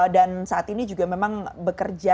dan saat ini juga memang bekerja